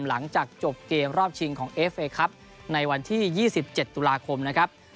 หลังจากจบเกมรอบชิงของเอฟเอครับในวันที่๒๗ตุลาคมนะครับ